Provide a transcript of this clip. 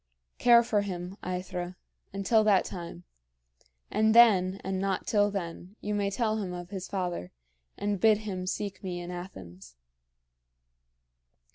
Care for him, AEthra, until that time; and then, and not till then, you may tell him of his father, and bid him seek me in Athens."